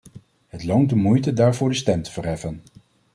Het loont de moeite daarvoor de stem te verheffen.